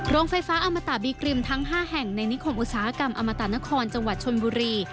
โรงไฟฟ้าอมตะบีกริมทั้ง๕แห่งในนิคมอุตสาหกรรมอมตะนครจังหวัดชนบุรี